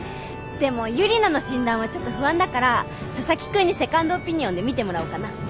でもユリナの診断はちょっと不安だから佐々木くんにセカンドオピニオンで診てもらおうかな。